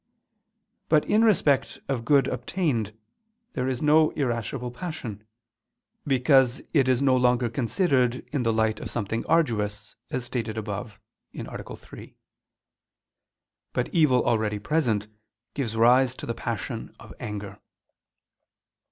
_ But in respect of good obtained there is no irascible passion: because it is no longer considered in the light of something arduous, as stated above (A. 3). But evil already present gives rise to the passion of _anger.